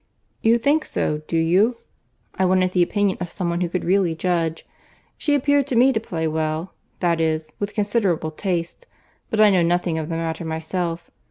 "You think so, do you?—I wanted the opinion of some one who could really judge. She appeared to me to play well, that is, with considerable taste, but I know nothing of the matter myself.